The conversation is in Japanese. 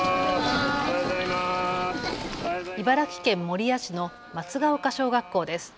茨城県守谷市の松ケ丘小学校です。